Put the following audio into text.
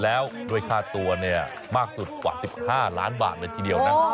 แล้วด้วยค่าตัวเนี่ยมากสุดกว่า๑๕ล้านบาทเลยทีเดียวนะ